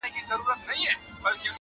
زما لا مغروره ککرۍ دروېزه نه قبلوي -